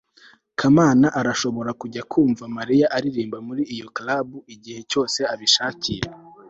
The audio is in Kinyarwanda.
kamana arashobora kujya kumva mariya aririmba muri iyo club igihe cyose abishakiye